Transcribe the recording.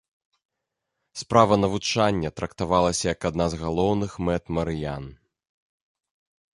Справа навучання трактавалася як адна з галоўных мэт марыян.